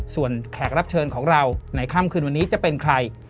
ส่วนแขกรับเชิญของเราในค่ำคืนวันนี้จะเป็นใคร